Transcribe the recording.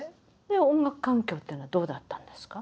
音楽環境っていうのはどうだったんですか？